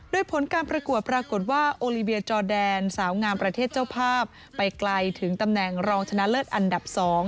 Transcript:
โดยผลการประกวดปรากฏว่าโอลิเบียจอแดนสาวงามประเทศเจ้าภาพไปไกลถึงตำแหน่งรองชนะเลิศอันดับ๒